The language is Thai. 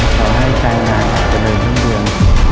ขอให้แฟนงานจะเดินทั้งเดือน